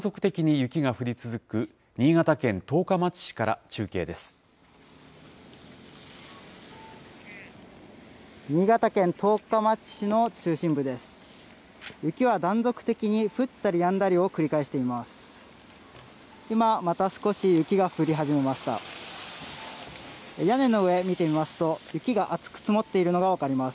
雪は断続的に降ったりやんだりを繰り返しています。